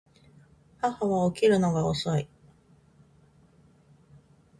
母は起きるのが遅い